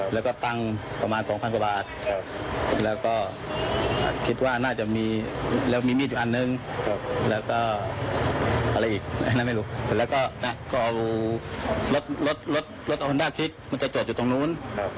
แล้วก็รถออนดาร์คิดมันจะจดอยู่ตรงโน้น